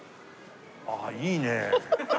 ああいいね。